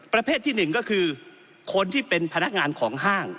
ประเภทที่๑ก็คือคนที่เป็นพนักงานของห้าง